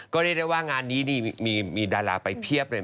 ก็เรียกได้ว่างานนี้มีดาราไปเพียบเลย